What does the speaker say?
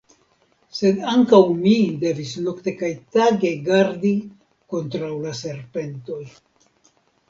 Sed ankaŭ mi devis nokte kaj tage gardi kontraŭ la serpentoj.